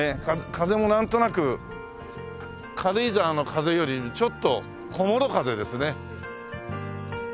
風もなんとなく軽井沢の風よりちょっと小諸風ですね。